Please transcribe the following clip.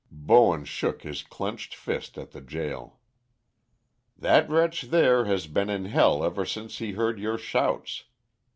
Bowen shook his clenched fist at the gaol. "That wretch there has been in hell ever since he heard your shouts.